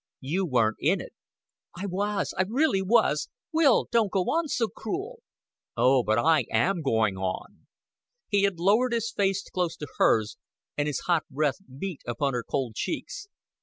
You weren't in it." "I was I really was. Will don't go on so cruel." "Oh, but I am going on." He had lowered his face close to hers, and his hot breath beat upon her cold cheeks.